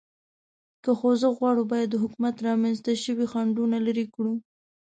که خوځښت غواړو، باید د حکومت رامنځ ته شوي خنډونه لرې کړو.